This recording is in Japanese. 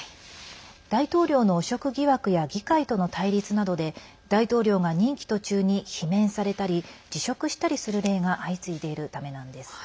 大統領の汚職疑惑や議会との対立などで大統領が任期途中に罷免されたり辞職したりする例が相次いでいるためなんです。